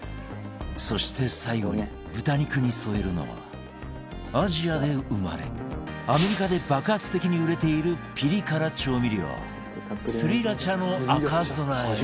そして最後に豚肉に添えるのはアジアで生まれアメリカで爆発的に売れているピリ辛調味料スリラチャの赤備え